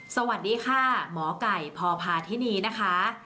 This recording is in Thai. สวัสดีค่ะหมอไก่พพาธินีนะคะ